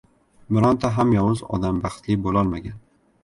Bironta ham yovuz odam baxtli bo‘lolmagan.